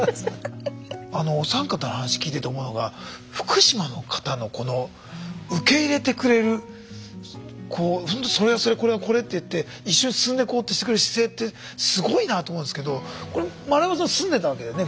お三方の話聞いてて思うのが福島の方のこの受け入れてくれるそれはそれこれはこれと言って一緒に進んでこうとしてくれる姿勢ってすごいなと思うんですけど丸山さん住んでたわけだよね